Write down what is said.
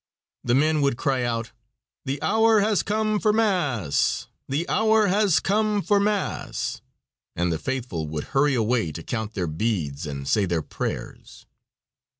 The men would cry out, "The hour has come for mass, the hour has come for mass," and the faithful would hurry away to count their beads and say their prayers.